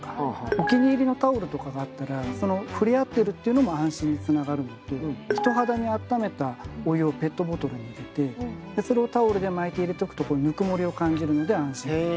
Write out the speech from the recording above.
お気に入りのタオルとかがあったら触れ合ってるっていうのも安心につながるのと人肌にあっためたお湯をペットボトルに入れてそれをタオルで巻いて入れておくとぬくもりを感じるので安心するとか。